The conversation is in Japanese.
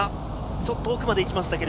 ちょっと奥まで行きましたが。